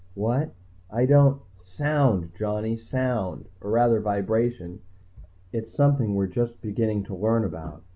"What? I don't " "Sound, Johnny, sound. Or rather, vibration. It's something we're just beginning to learn about.